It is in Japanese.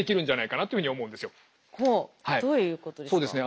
どういうことですか？